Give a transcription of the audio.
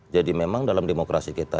jadi memang dalam demokrasi kita